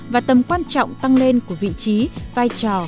và tầm quan trọng tăng lên của vị trí vai trò